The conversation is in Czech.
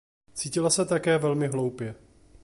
Cítila se také velmi hloupě.